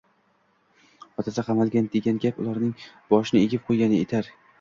Otasi qamalgan, degan gap ularning boshini egib qo`ygani etar